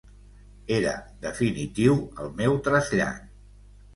Era definitiu, el meu trasllat.